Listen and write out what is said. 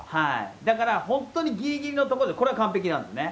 だから本当にぎりぎりのところで、これは完璧なんですね。